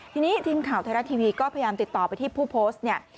ทีนี้ทีมข่าวไทยรัฐทีวีก็พยายามติดต่อไปที่ผู้โพสต์เนี่ย